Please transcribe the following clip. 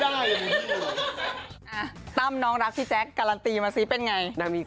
เจอผู้ชายแล้วแบบเอาหลวงผู้หญิงอย่างงี้